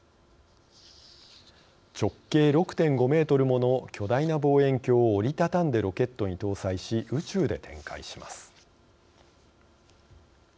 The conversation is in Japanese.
直径６．５メートルもの巨大な望遠鏡を折り畳んでロケットに搭載し宇宙で展開します。